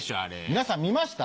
皆さん見ました？